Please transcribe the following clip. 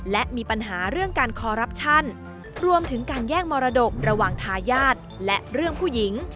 และมีปัญหาเรื่องการคอรัปชั่นรวมถึงการแย่งมรดกระหว่างทายาทและเรื่องผู้หญิง